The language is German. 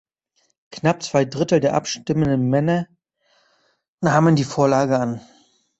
Knapp zwei Drittel der abstimmenden Männer nahmen die Vorlage an.